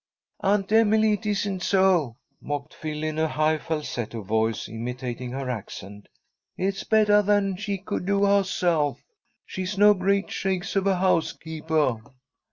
"Aunt Emily, it isn't so," mocked Phil, in a high falsetto voice, imitating her accent. "It's bettah than she could do huhself. She's no great shakes of a housekeepah."